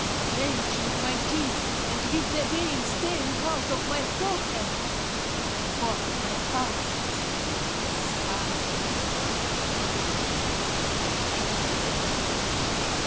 Clenching my teeth, and with the veins staring out on my forehead, I worked my pulses as hard as I could.